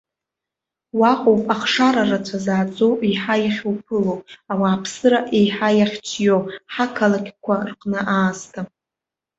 Уаҟоуп ахшара рацәа зааӡо еиҳа иахьуԥыло, ауааԥсыра еиҳа иахьҿио, ҳақалақьқәа рҟны аасҭа.